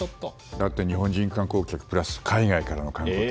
だって日本人観光客プラス海外からの観光客。